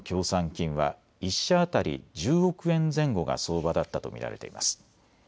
金は１社当たり１０億円前後が相場だったと見られています。